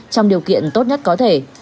trong điều kiện tốt nhất có thể